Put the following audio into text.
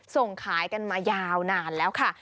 ส่งขายกันมายาวนานแล้วค่ะ